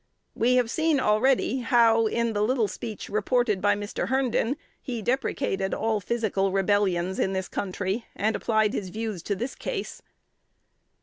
We have seen already how, in the "little speech" reported by Mr. Herndon, he deprecated "all physical rebellions" in this country, and applied his views to this case.